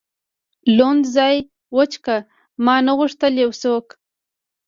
لوند ځای وچ کړ، ما نه غوښتل یو څوک.